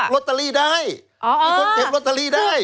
ลอตเตอรี่ได้มีคนเก็บลอตเตอรี่ได้